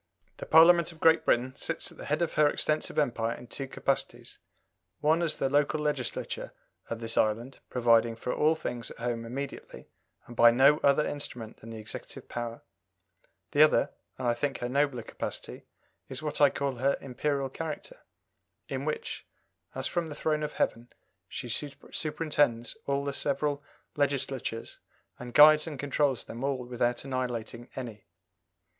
The Parliament of Great Britain sits at the head of her extensive Empire in two capacities: one as the local legislature of this island, providing for all things at home immediately and by no other instrument than the executive power; the other, and I think her nobler capacity, is what I call her Imperial character, in which, as from the throne of heaven, she superintends all the several Legislatures, and guides and controls them all without annihilating any.